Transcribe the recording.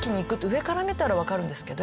上から見たらわかるんですけど。